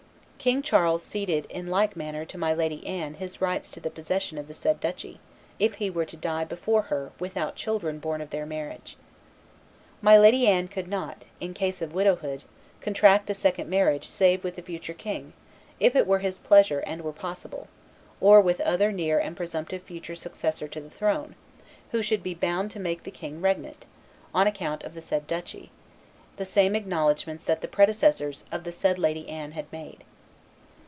King Charles ceded in like manner to my Lady Anne his rights to the possession of the said duchy, if he were to die before her with out children born of their marriage. My Lady Anne could not, in case of widowhood, contract a second marriage save with the future king, if it were his pleasure and were possible, or with other near and presumptive future successor to the throne, who should be bound to make to the king regnant, on account of the said duchy, the same acknowledgments that the predecessors of the said Lady Anne had made."